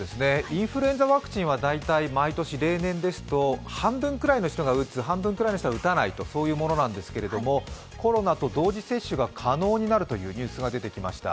インフルエンザワクチンは大体毎年、例年ですと、半分くらいの人が打つ、半分くらいの人は打たないというものなんですけれども、コロナと同時接種が可能になるというニュースが出てまいりました。